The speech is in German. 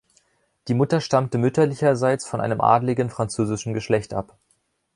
Die Mutter stammte mütterlicherseits von einem adligen französischen Geschlecht ab.